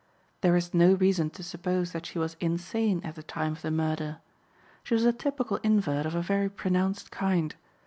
There is no reason to suppose that she was insane at the time of the murder. She was a typical invert of a very pronounced kind.